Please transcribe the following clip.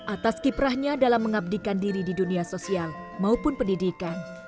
atas kiprahnya dalam mengabdikan diri di dunia sosial maupun pendidikan